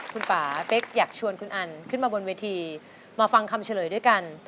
คุณป่าเป๊กอยากชวนคุณอันขึ้นมาบนเวทีมาฟังคำเฉลยด้วยกัน